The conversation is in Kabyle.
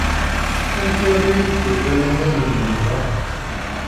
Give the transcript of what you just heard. Amek armi ay d-tufiḍ iman-nnem da?